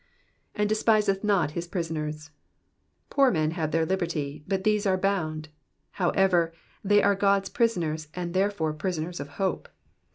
^"And de$pueth not hu prisonen.'"' Poor men have their liberty, but these are bound ; however, they are 6od*s prisoners, and, therefore, prisoners of hope.